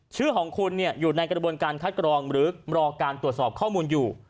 ชื่อของคุณอยู่ในกระบวนการคัดกรองหรือรอการตรวจสอบข้อมูลอยู่